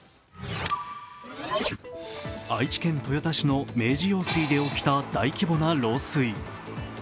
愛知県豊田市の明治用水で起きた大規模な漏水。